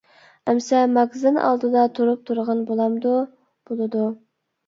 -ئەمىسە، ماگىزىن ئالدىدا تۇرۇپ تۇرغىن بولامدۇ؟ -بولىدۇ.